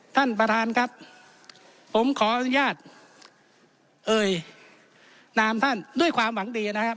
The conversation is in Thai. ท่านประธานครับผมขออนุญาตเอ่ยนามท่านด้วยความหวังดีนะครับ